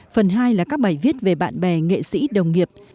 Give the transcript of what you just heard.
phần hai là các bài viết về bạn bè nghệ sĩ đồng nghiệp